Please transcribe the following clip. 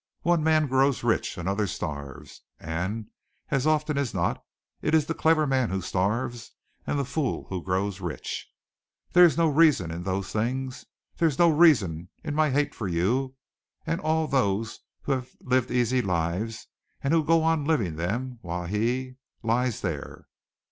One man grows rich, another starves, and as often as not it is the clever man who starves and the fool who grows rich. There is no reason in those things. There is no reason in my hate for you and all those who have lived easy lives, and who go on living them while he lies there!"